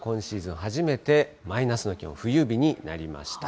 初めてマイナスの気温、冬日になりました。